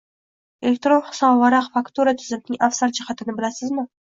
Elektron hisobvaraq-faktura tizimining afzal jihatini bilasizmi?